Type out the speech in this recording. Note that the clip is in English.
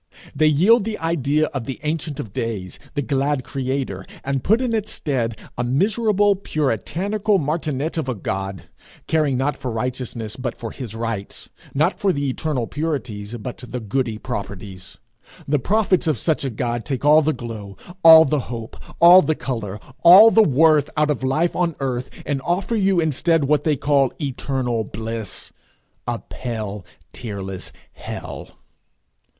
They yield the idea of the Ancient of Days, 'the glad creator,' and put in its stead a miserable, puritanical martinet of a God, caring not for righteousness, but for his rights; not for the eternal purities, but the goody proprieties. The prophets of such a God take all the glow, all the hope, all the colour, all the worth, out of life on earth, and offer you instead what they call eternal bliss a pale, tearless hell.